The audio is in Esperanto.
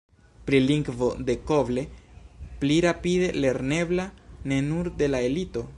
Pri lingvo dekoble pli rapide lernebla ne nur de la elito?